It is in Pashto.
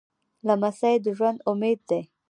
لمسی د ژوند امید دی.